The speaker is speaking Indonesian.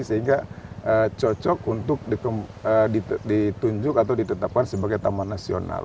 sehingga cocok untuk ditunjuk atau ditetapkan sebagai taman nasional